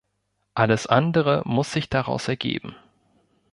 Alles andere muss sich daraus ergeben.